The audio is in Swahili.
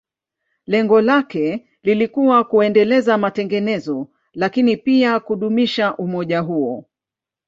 Lengo lake lilikuwa kuendeleza matengenezo, lakini pia kudumisha umoja huo.